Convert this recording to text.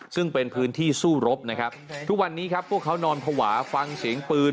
ซึ่งเป็นพื้นที่สู้รบนะครับทุกวันนี้ครับพวกเขานอนภาวะฟังเสียงปืน